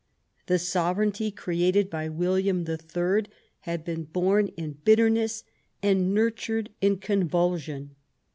The sovereignty created by William the Third had been bom in bitterness and nurtured in convulsion.